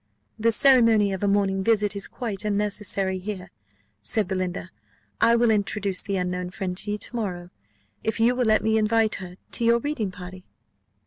"The ceremony of a morning visit is quite unnecessary here," said Belinda: "I will introduce the unknown friend to you to morrow, if you will let me invite her to your reading party."